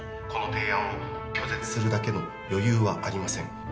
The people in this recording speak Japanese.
「この提案を拒絶するだけの余裕はありません」